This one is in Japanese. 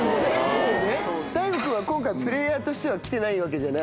ＤＡＩＧＯ君は今回はプレーヤーとしては来てないわけじゃない。